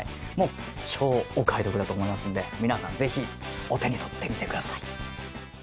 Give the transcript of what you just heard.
もう超お買い得だと思いますので皆さんぜひお手に取ってみてください。